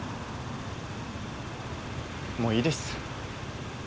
もういいです。